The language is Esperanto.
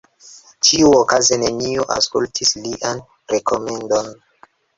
Ĉiuokaze neniu aŭskultis lian rekomendon.